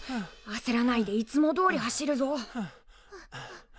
あせらないでいつもどおり走るぞ。